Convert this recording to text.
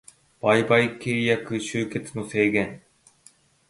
売買契約締結の制限